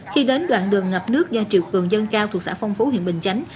khi đến đoạn đường ngập nước do triệu cường dân cao thuộc xã phong phú huyện bình chánh